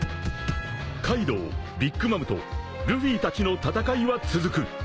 ［カイドウビッグ・マムとルフィたちの戦いは続く］